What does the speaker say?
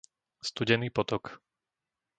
Studený potok